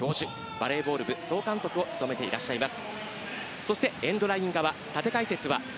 バレーボール部総監督を務めていらっしゃいます。